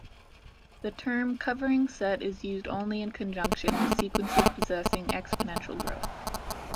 The term "covering set" is used only in conjunction with sequences possessing exponential growth.